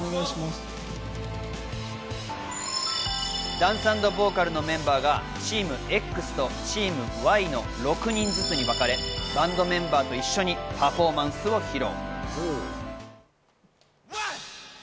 ダンス＆ボーカルのメンバーがＴｅａｍＸとＴｅａｍＹの６人ずつにわかれ、バンドメンバーと一緒にパフォーマンスを披露。